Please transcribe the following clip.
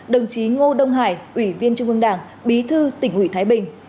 đồng chí ngô đông hải ủy viên trung ương đảng bí thư tỉnh ủy thái bình